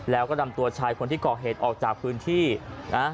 แล้วก็นำตัวชายคนที่ก่อเหตุออกจากพื้นที่นะ